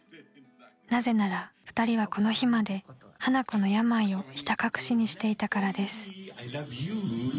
［なぜなら二人はこの日まで花子の病をひた隠しにしていたからです］